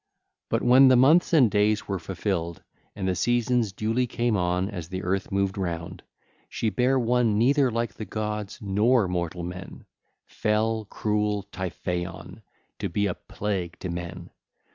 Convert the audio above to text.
But when the months and days were fulfilled and the seasons duly came on as the earth moved round, she bare one neither like the gods nor mortal men, fell, cruel Typhaon, to be a plague to men.